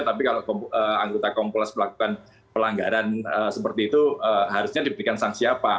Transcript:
tapi kalau anggota kompolnas melakukan pelanggaran seperti itu harusnya diberikan sanksi apa